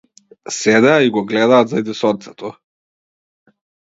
Седеа и го гледаат зајдисонцето.